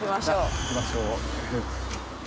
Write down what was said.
行きましょう。